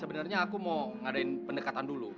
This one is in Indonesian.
sebenarnya aku mau ngadain pendekatan dulu